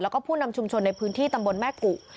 แล้วก็ผู้นำชุมชนในพื้นที่ตำบลแม่กุ